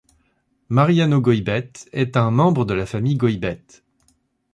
Mariano Goybet est un membre de la famille Goybet.